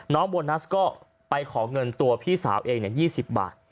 น้องโบนัสก็ไปของเงินตัวพี่สาวเองเนี้ยยี่สิบบาท